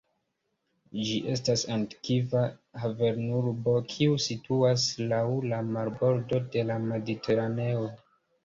Ĝi estas antikva havenurbo kiu situas laŭ la marbordo de la Mediteraneo.